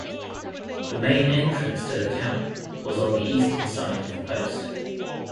The main entrance to the camp was on the eastern side of the post.